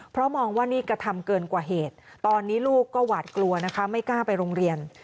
เพราะมองว่านี่กระทำเกินกว่าเหตุตอนนี้ลูกก็หวาดกลัวนะคะไม่กล้าไปโรงเรียน